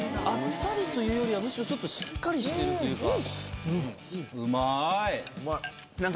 あっさりというよりはむしろちょっとしっかりしてるというか。